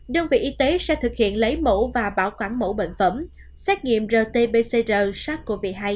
đơn vị y tế sẽ thực hiện lấy mẫu và bảo quản mẫu bệnh phẩm xét nghiệm rt pcr sars cov hai